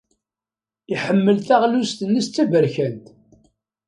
Iḥemmel taɣlust-nnes d taberkant.